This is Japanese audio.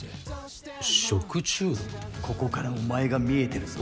ここからお前が見えてるぞ。